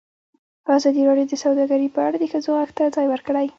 ازادي راډیو د سوداګري په اړه د ښځو غږ ته ځای ورکړی.